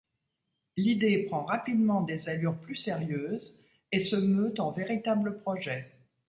L'idée prend rapidement des allures plus sérieuses et se meut en véritable projet.